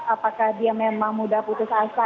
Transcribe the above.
apakah dia memang mudah putus asa